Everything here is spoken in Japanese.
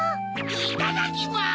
いただきます！